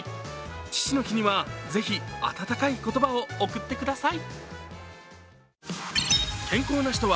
父の日には、ぜひ温かい言葉を贈ってください。